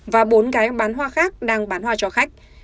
và bốn gái bán hoa khác đang bán hoa cho khách